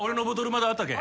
まだあったけ？